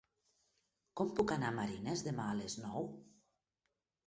Com puc anar a Marines demà a les nou?